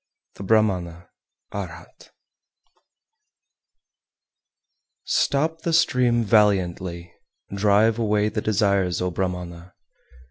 The Brahmana (Arhat) 383. Stop the stream valiantly, drive away the desires, O Brahmana!